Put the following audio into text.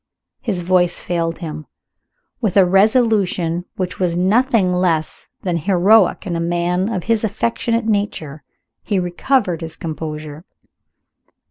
His voice failed him. With a resolution which was nothing less than heroic in a man of his affectionate nature, he recovered his composure.